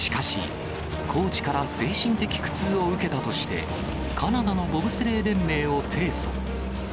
しかし、コーチから精神的苦痛を受けたとして、カナダのボブスレー連盟を提訴。